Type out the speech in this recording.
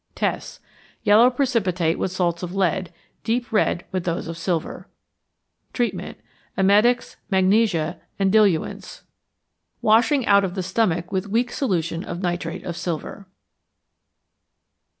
Tests. Yellow precipitate with salts of lead, deep red with those of silver. Treatment. Emetics, magnesia, and diluents. Washing out of the stomach with weak solution of nitrate of silver.